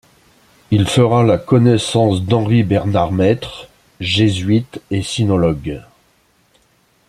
Il y fera la connaissance d’Henri Bernard-Maître, jésuite et sinologue.